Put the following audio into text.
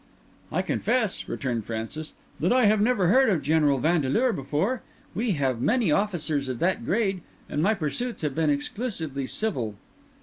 "I confess," returned Francis, "that I have never heard of General Vandeleur before. We have many officers of that grade, and my pursuits have been exclusively civil."